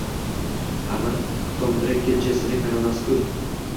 Axir, Tom Brekket Jessining qaynog`asi-ku